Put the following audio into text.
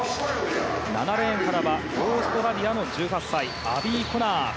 ７レーンからはオーストラリアのアビー・コナー。